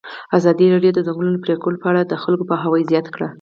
ازادي راډیو د د ځنګلونو پرېکول په اړه د خلکو پوهاوی زیات کړی.